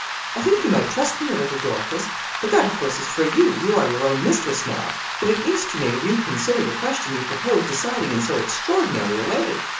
I think you might trust me a little, Dorcas but that, of course, is for you, you are your own mistress now but, at least, you may reconsider the question you propose deciding in so extraordinary a way.